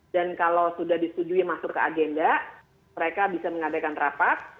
dan kalau sudah disetujui masuk ke agenda mereka bisa mengadakan rapat